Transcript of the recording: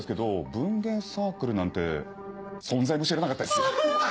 文芸サークルなんて存在も知らなかったです。